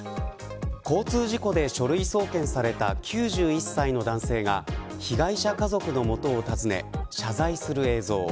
交通事故で書類送検された９１歳の男性が被害者家族の元を訪ね謝罪する映像。